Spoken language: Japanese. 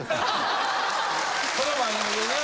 この番組でな？